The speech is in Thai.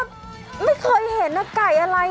ไม่เคยเห็นนะไก่อะไร